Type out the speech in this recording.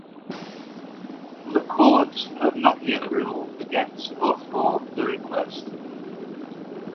The courts have not yet ruled against or for the request.